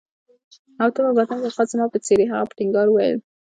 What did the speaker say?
او ته په باطن کې خاص زما په څېر يې. هغه په ټینګار وویل.